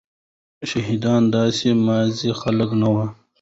شهيدان داسي ماځي خلک نه ول.